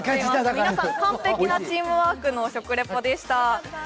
皆さん、完璧なチームワークの食レポでした。